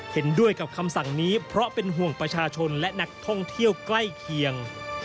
เห็นด้วยกับคำสั่งนี้เพราะเป็นห่วงประชาชนและนักท่องเที่ยวใกล้เคียง